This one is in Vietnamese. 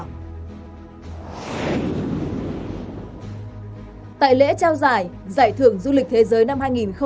ừ tại lễ trao giải giải thưởng du lịch thế giới năm